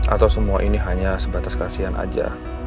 atau semua ini hanya sebatas kasihan aja